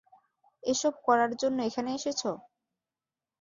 এসব করার জন্য এখানে এসেছ?